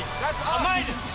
甘いです！